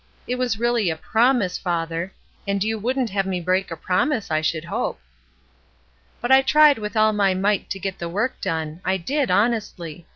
It was really a promise, father, and you wouldn't have me break a promise I should hope! 72 THE VICTORS 73 "But I tried with all my might to get the work done ; I did, honestly.